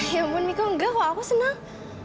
ya ampun miko enggak kok aku senang